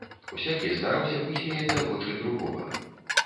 Усякі стараўся высмеяць за вочы другога.